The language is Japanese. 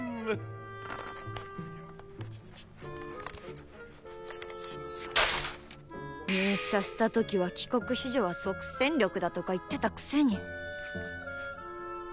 心の声入社した時は帰国子女は即戦力だとか言ってたくせに。